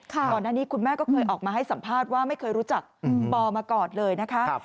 ก่อนหน้านี้คุณแม่ก็เคยออกมาให้สัมภาษณ์ว่าไม่เคยรู้จักปอมาก่อนเลยนะคะ